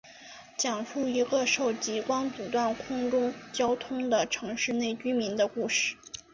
讲述一个受极光阻断空中交通的城市内居民的故事。